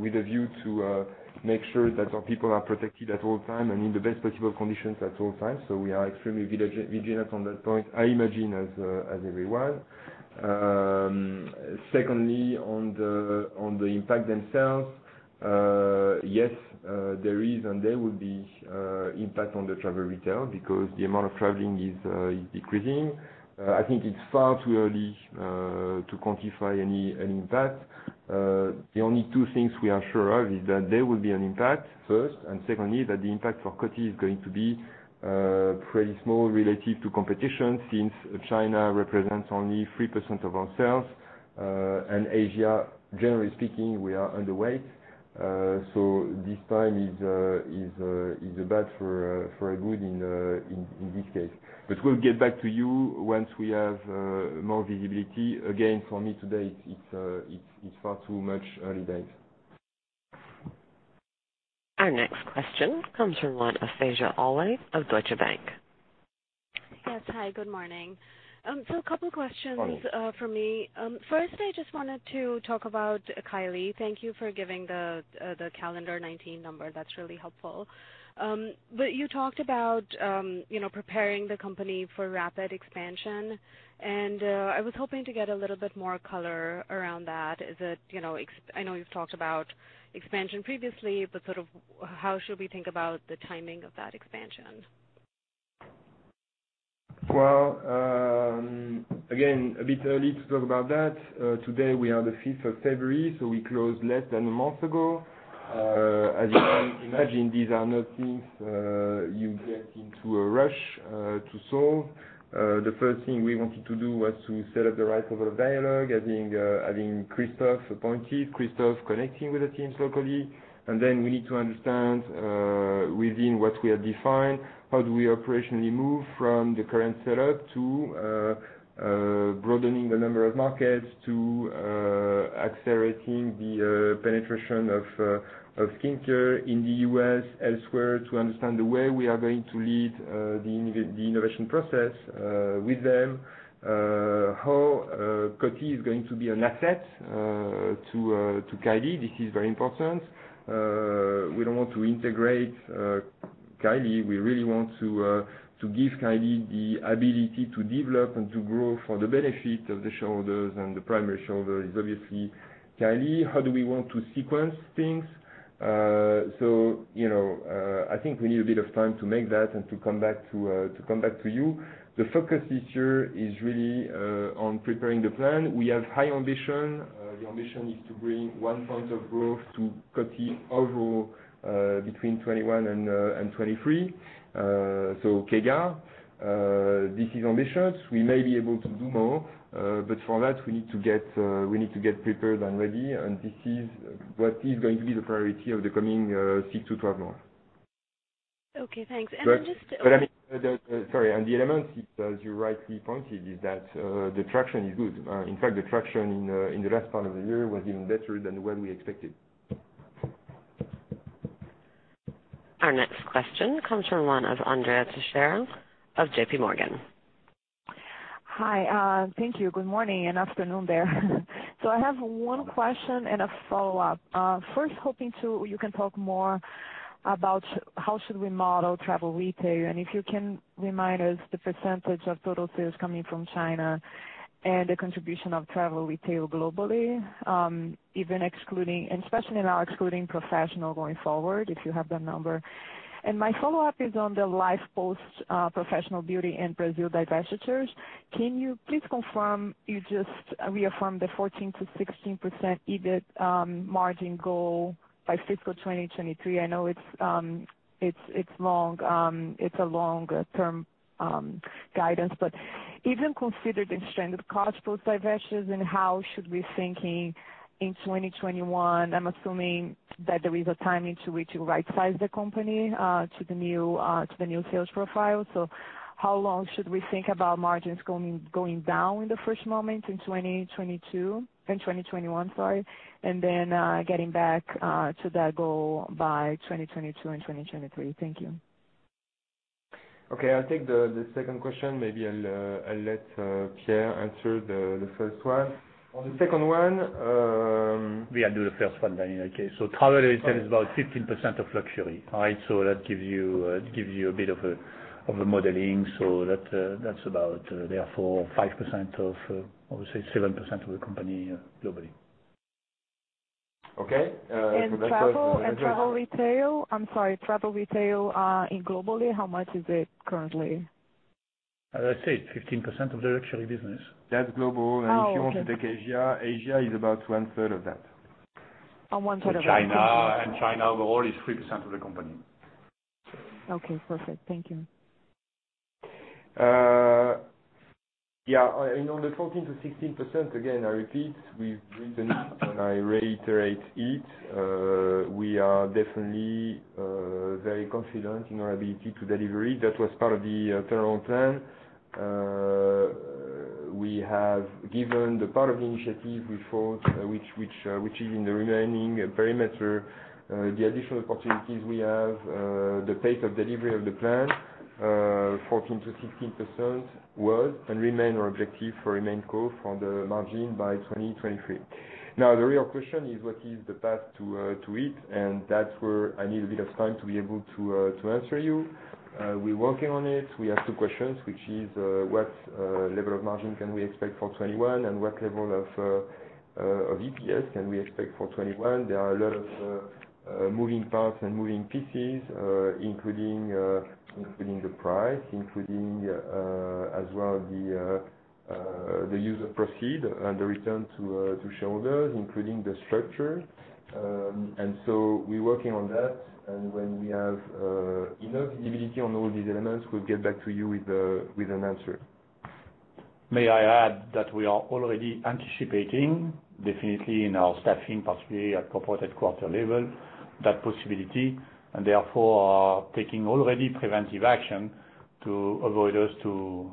with a view to make sure that our people are protected at all times and in the best possible conditions at all times. We are extremely vigilant on that point, I imagine, as everyone. Secondly, on the impact themselves, yes, there is and there will be impact on the travel retail because the amount of traveling is decreasing. I think it's far too early to quantify any impact. The only two things we are sure of is that there will be an impact first. Secondly, that the impact for Coty is going to be pretty small relative to competition since China represents only 3% of our sales. Asia, generally speaking, we are underweight. This time is a bad for a good in this case. We'll get back to you once we have more visibility. Again, for me today, it's far too much early days. Our next question comes from the line of Faiza Alwy of Deutsche Bank. Yes. Hi. Good morning. A couple of questions for me. First, I just wanted to talk about Kylie. Thank you for giving the calendar 2019 number. That's really helpful. You talked about preparing the company for rapid expansion. I was hoping to get a little bit more color around that. I know you've talked about expansion previously, but sort of how should we think about the timing of that expansion? Again, a bit early to talk about that. Today, we are the 5th of February, so we closed less than a month ago. As you can imagine, these are not things you get into a rush to solve. The first thing we wanted to do was to set up the right level of dialogue, having Christophe appointed, Christophe connecting with the teams locally. We need to understand within what we have defined, how do we operationally move from the current setup to broadening the number of markets to accelerating the penetration of skincare in the US, elsewhere, to understand the way we are going to lead the innovation process with them. How Coty is going to be an asset to Kylie. This is very important. We do not want to integrate Kylie. We really want to give Kylie the ability to develop and to grow for the benefit of the shareholders and the primary shareholder is obviously Kylie. How do we want to sequence things? I think we need a bit of time to make that and to come back to you. The focus this year is really on preparing the plan. We have high ambition. The ambition is to bring one point of growth to Coty overall between 2021 and 2023. CAGR, this is ambitious. We may be able to do more. For that, we need to get prepared and ready. This is what is going to be the priority of the coming six to twelve months. Okay. Thanks. I mean, sorry. The elements, as you rightly pointed, is that the traction is good. In fact, the traction in the last part of the year was even better than what we expected. Our next question comes from the Line of Andrea Teixeira of JPMorgan. Hi. Thank you. Good morning and afternoon there. I have one question and a follow-up. First, hoping you can talk more about how should we model travel retail. If you can remind us the percentage of total sales coming from China and the contribution of travel retail globally, even excluding, and especially now excluding professional going forward, if you have that number. My follow-up is on the life post-professional beauty and Brazil divestitures. Can you please confirm you just reaffirmed the 14%-16% EBIT margin goal by fiscal 2023? I know it's long. It's a long-term guidance. Even considered in stranded cost post-divestitures, and how should we think in 2021? I'm assuming that there is a timing to which you right-size the company to the new sales profile. How long should we think about margins going down in the first moment in 2022 and 2021, sorry? Then getting back to that goal by 2022 and 2023. Thank you. Okay. I think the second question, maybe I'll let Pierre answer the first one. On the second one. We'll do the first one then in that case. Travel is about 15% of Luxury, right? That gives you a bit of a modeling. That is about, therefore, 5% of, I would say, 7% of the company globally. Okay. Travel retail, I'm sorry, travel retail globally, how much is it currently? As I said, 15% of the Luxury business. That is global. If you want to take Asia, Asia is about one-third of that. One-third of Asia. China overall is 3% of the company. Okay. Perfect. Thank you. Yeah. On the 14%-16%, again, I repeat, we've written and I reiterate it. We are definitely very confident in our ability to deliver. That was part of the turnaround plan. We have, given the part of the initiative we thought, which is in the remaining perimeter, the additional opportunities we have, the pace of delivery of the plan, 14%-16% was and remain our objective for remaining goal for the margin by 2023. Now, the real question is, what is the path to it? That is where I need a bit of time to be able to answer you. We are working on it. We have two questions, which is, what level of margin can we expect for 2021? What level of EPS can we expect for 2021? There are a lot of moving parts and moving pieces, including the price, including as well the use of proceeds and the return to shareholders, including the structure. We are working on that. When we have enough visibility on all these elements, we'll get back to you with an answer. May I add that we are already anticipating, definitely in our staffing, particularly at corporate quarter level, that possibility. Therefore, taking already preventive action to avoid us to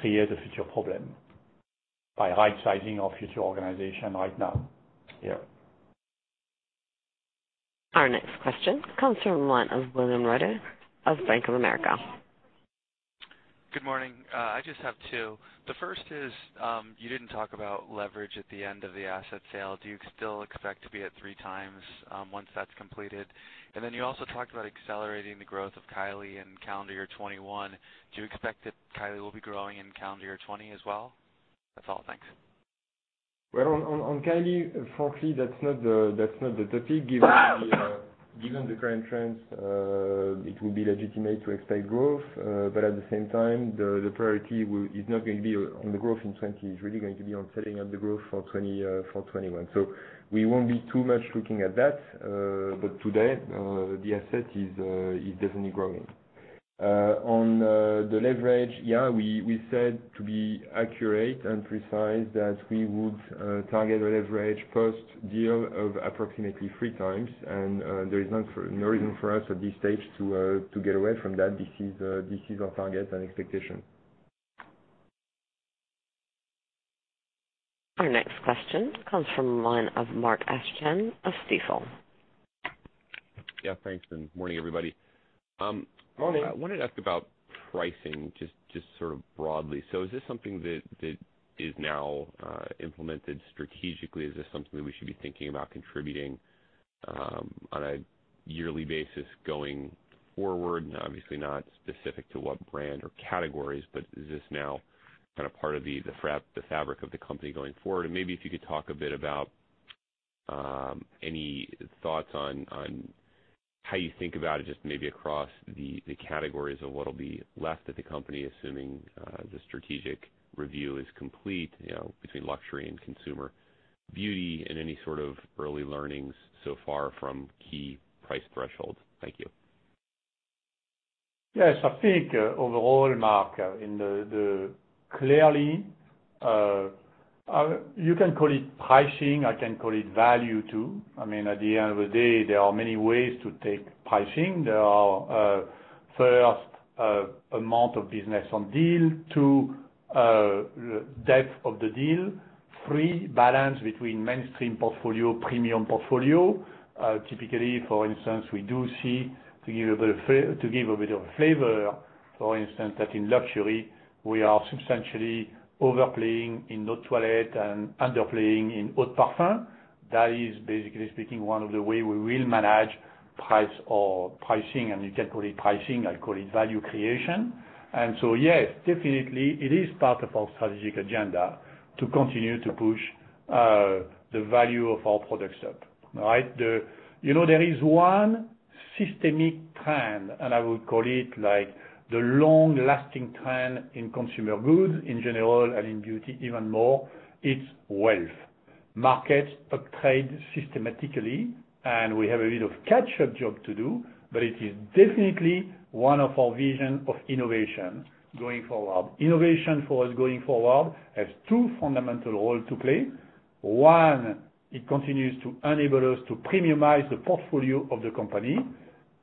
create a future problem by right-sizing our future organization right now. Yeah. Our next question comes from the LIne o fWilliam Reuter of Bank of America. Good morning. I just have two. The first is, you did not talk about leverage at the end of the asset sale. Do you still expect to be at three times once that is completed? And then you also talked about accelerating the growth of Kylie in calendar year 2021. Do you expect that Kylie will be growing in calendar year 2020 as well? That is all. Thanks. On Kylie, frankly, that is not the topic. Given the current trends, it would be legitimate to expect growth. At the same time, the priority is not going to be on the growth in 2020. It's really going to be on setting up the growth for 2021. We won't be too much looking at that. Today, the asset is definitely growing. On the leverage, yeah, we said to be accurate and precise that we would target a leverage post-deal of approximately three times. There is no reason for us at this stage to get away from that. This is our target and expectation. Our next question comes from the Line of of Mark Astrachan of Stifel. Yeah. Thanks. Morning, everybody. Morning. I wanted to ask about pricing, just sort of broadly. Is this something that is now implemented strategically? Is this something that we should be thinking about contributing on a yearly basis going forward? Obviously, not specific to what brand or categories, but is this now kind of part of the fabric of the company going forward? Maybe if you could talk a bit about any thoughts on how you think about it, just maybe across the categories of what will be left at the company, assuming the strategic review is complete between Luxury and Consumer Beauty and any sort of early learnings so far from key price thresholds. Thank you. Yes. I think overall, Mark, clearly, you can call it pricing. I can call it value too. I mean, at the end of the day, there are many ways to take pricing. There are first, amount of business on deal, two, depth of the deal, three, balance between mainstream portfolio, premium portfolio. Typically, for instance, we do see, to give a bit of a flavor, for instance, that in Luxury, we are substantially overplaying in Eau De Toilette and underplaying in Eau De Parfum. That is, basically speaking, one of the ways we will manage pricing. You can call it pricing. I call it value creation. Yes, definitely, it is part of our strategic agenda to continue to push the value of our products up, right? There is one systemic trend, and I would call it the long-lasting trend in consumer goods in general and in beauty even more. It's wealth. Markets uptrade systematically, and we have a bit of catch-up job to do, but it is definitely one of our visions of innovation going forward. Innovation for us going forward has two fundamental roles to play. One, it continues to enable us to premiumize the portfolio of the company.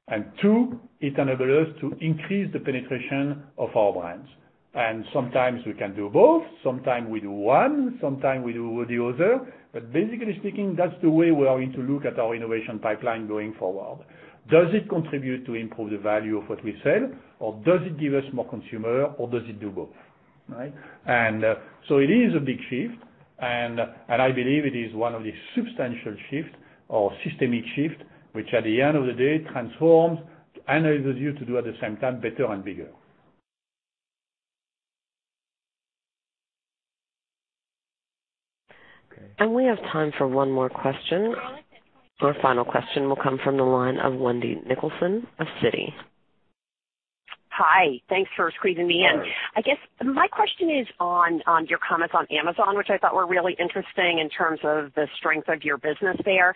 It enables us to increase the penetration of our brands. Sometimes we can do both. Sometimes we do one. Sometimes we do the other. Basically speaking, that's the way we are going to look at our innovation pipeline going forward. Does it contribute to improve the value of what we sell? Or does it give us more consumer? Or does it do both? It is a big shift. I believe it is one of the substantial shifts or systemic shifts, which at the end of the day transforms and enables you to do at the same time better and bigger. We have time for one more question. Our final question will come from the line of Wendy Nicholson of Citi. Hi. Thanks for squeezing me in. I guess my question is on your comments on Amazon, which I thought were really interesting in terms of the strength of your business there.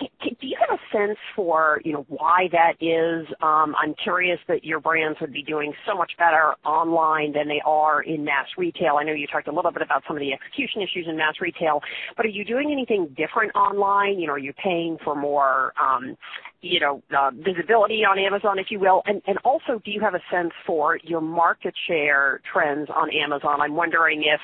Do you have a sense for why that is? I'm curious that your brands would be doing so much better online than they are in mass retail. I know you talked a little bit about some of the execution issues in mass retail. Are you doing anything different online? Are you paying for more visibility on Amazon, if you will? Also, do you have a sense for your market share trends on Amazon? I'm wondering if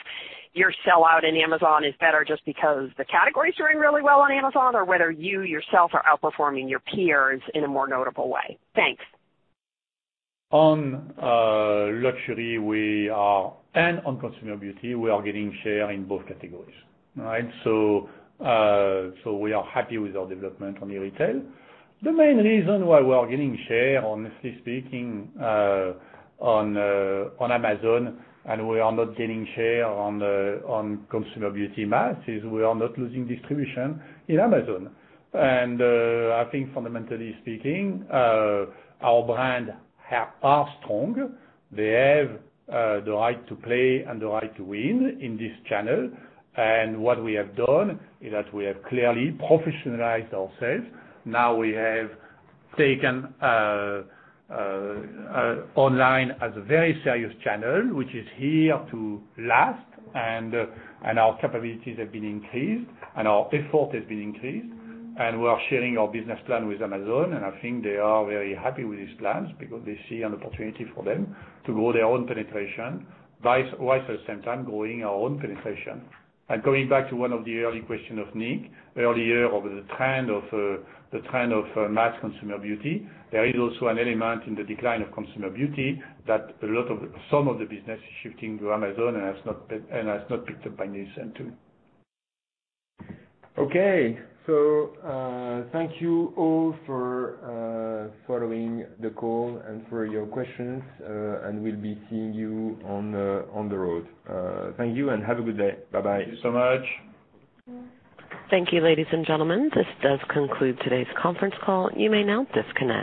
your sellout in Amazon is better just because the categories are doing really well on Amazon or whether you yourself are outperforming your peers in a more notable way. Thanks. On Luxury, we are, and on Consumer Beauty, we are getting share in both categories, right? We are happy with our development on the retail. The main reason why we are getting share, honestly speaking, on Amazon and we are not getting share on Consumer Beauty mass is we are not losing distribution in Amazon. I think, fundamentally speaking, our brands are strong. They have the right to play and the right to win in this channel. What we have done is that we have clearly professionalized ourselves. Now we have taken online as a very serious channel, which is here to last. Our capabilities have been increased, and our effort has been increased. We are sharing our business plan with Amazon. I think they are very happy with these plans because they see an opportunity for them to grow their own penetration, while at the same time growing our own penetration. Coming back to one of the early questions of Nick, earlier of the trend of mass Consumer Beauty, there is also an element in the decline of Consumer Beauty that a lot of some of the business is shifting to Amazon and has not picked up by this end too. Okay. Thank you all for following the call and for your questions. We will be seeing you on the road. Thank you and have a good day. Bye-bye. Thank you so much. Thank you, ladies and gentlemen. This does conclude today's conference call. You may now disconnect.